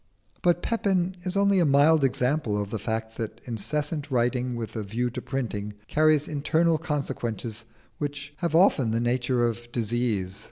But Pepin is only a mild example of the fact that incessant writing with a view to printing carries internal consequences which have often the nature of disease.